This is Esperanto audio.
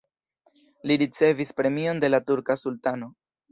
Li ricevis premion de la turka sultano.